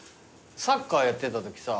サッカーやってたときさ。